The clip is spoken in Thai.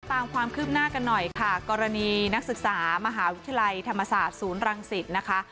ตามความคืบหน้ากันหน่อยค่ะกรณีนักศึกษามหาวิทยาลัยธรรมศาสตร์ศูนย์รังสิตนะคะ